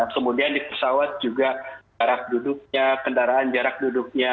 kemudian di pesawat juga jarak duduknya kendaraan jarak duduknya